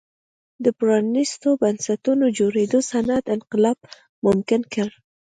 د پرانیستو بنسټونو جوړېدو صنعتي انقلاب ممکن کړ.